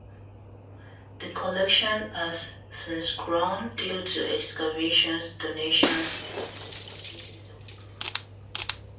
The collection has since grown due to excavations, donations and purchases of pieces.